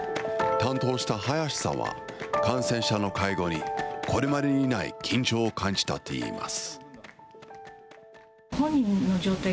担当した林さんは、感染者の介護に、これまでにない緊張を感じたといいます。